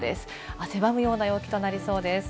汗ばむような陽気となりそうです。